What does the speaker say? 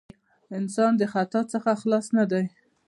انسان د خطاء څخه خلاص نه دی.